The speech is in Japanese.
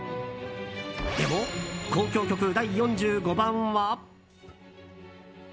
でも、「交響曲第４５番」は。